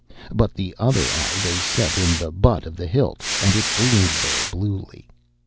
But the other eye they set in the butt of the hilt, and it gleamed there bluely.